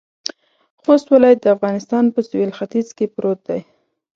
خوست ولایت د افغانستان په سویل ختيځ کې پروت دی.